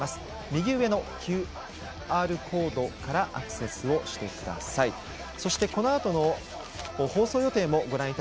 右上のＱＲコードからアクセスをしてください。